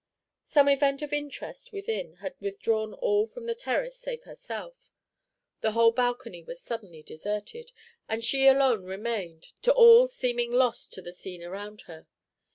Some event of interest within had withdrawn all from the terrace save herself; the whole balcony was suddenly deserted, and she alone remained, to all seeming lost to the scene around her.